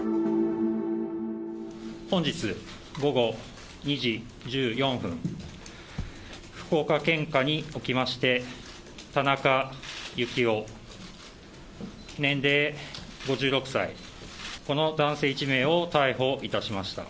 本日午後２時１４分、福岡県下におきまして、田中幸雄、年齢５６歳、この男性１名を逮捕いたしました。